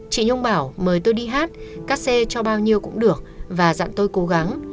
chị nhung bảo mời tôi đi hát các xe cho bao nhiêu cũng được và dặn tôi cố gắng